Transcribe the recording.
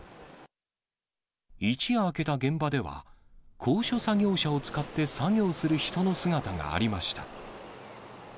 一夜明けた現場では、高所作業車を使って作業する人の姿がありました。